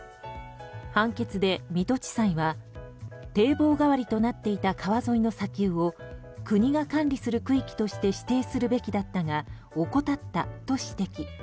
判決で水戸地裁は堤防代わりになっていた川沿いの砂丘を国が管理する区域として指定するべきだったが怠ったと指摘。